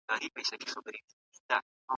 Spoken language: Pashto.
سياست کي که وغواړو د خلګو ريښتینی خدمت کیږي.